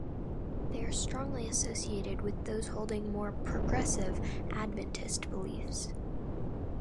They are strongly associated with those holding more "progressive" Adventist beliefs.